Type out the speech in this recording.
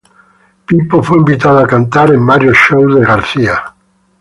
Pipo fue invitado a cantar en varios shows de García.